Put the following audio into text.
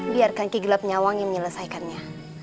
biarkan kigelap nyawang yang menyelesaikannya